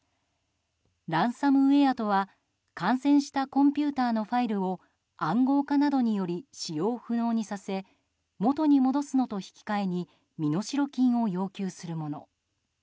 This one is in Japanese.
ランサムウェアとは感染したコンピューターのファイルを暗号化などにより使用不能にさせ元に戻すのと引き換えに身代金を要求するもの。